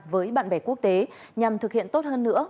với bạn bè quốc tế nhằm thực hiện tốt hơn nữa